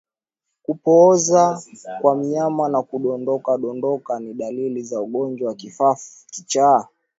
Kupooza kwa mnyama na kudondokadondoka ni dalili za ugonjwa wa kichaa